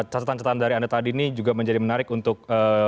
catatan catatan dari anda tadi ini juga menjadi menarik untuk